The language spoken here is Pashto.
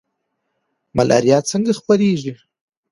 ملاریا څنګه خپریږي؟